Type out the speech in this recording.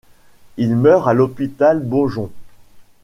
Il meurt à l'hôpital Beaujon.